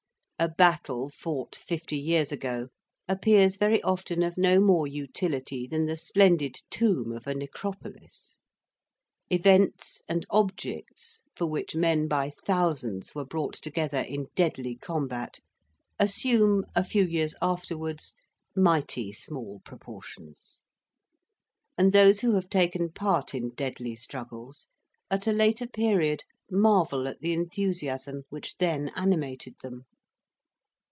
A battle fought fifty years ago appears very often of no more utility than the splendid tomb of a Necropolis. Events and objects for which men by thousands were brought together in deadly combat assume, a few years afterwards, mighty small proportions; and those who have taken part in deadly struggles, at a later period marvel at the enthusiasm which then animated them.